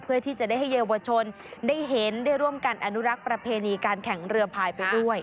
เพื่อที่จะได้ให้เยาวชนได้เห็นได้ร่วมกันอนุรักษ์ประเพณีการแข่งเรือพายไปด้วย